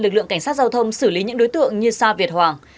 lực lượng cảnh sát giao thông xử lý những đối tượng như sa việt hoàng